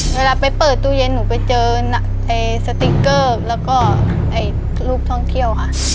เวลาไปเปิดตู้เย็นหนูไปเจอสติ๊กเกอร์แล้วก็ลูกท่องเที่ยวค่ะ